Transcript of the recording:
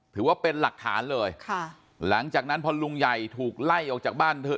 ถือว่าเป็นหลักฐานเลยค่ะหลังจากนั้นพอลุงใหญ่ถูกไล่ออกจากบ้านเธอ